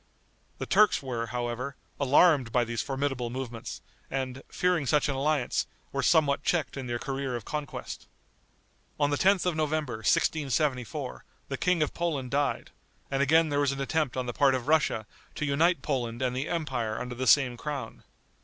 The Turks were, however, alarmed by these formidable movements, and, fearing such an alliance, were somewhat checked in their career of conquest. On the 10th of November, 1674, the King of Poland died, and again there was an attempt on the part of Russia to unite Poland and the empire under the same crown.